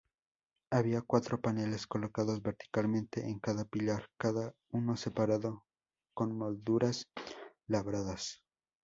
Había cuatro paneles colocados verticalmente en cada pilar, cada uno separado con molduras labradas.